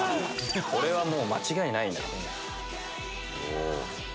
これはもう間違いないな。